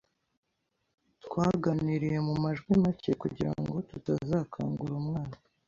Twaganiriye mumajwi make kugirango tutazakangura umwana.